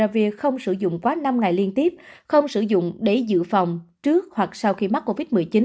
việc không sử dụng quá năm ngày liên tiếp không sử dụng để dự phòng trước hoặc sau khi mắc covid một mươi chín